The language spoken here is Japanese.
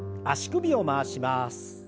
足首を回します。